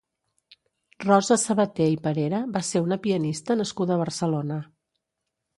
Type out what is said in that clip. Rosa Sabater i Parera va ser una pianista nascuda a Barcelona.